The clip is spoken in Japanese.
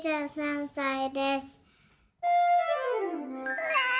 うわ！